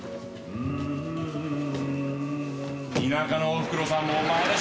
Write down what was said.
田舎のおふくろさんもお前の。